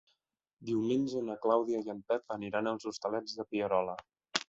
Diumenge na Clàudia i en Pep aniran als Hostalets de Pierola.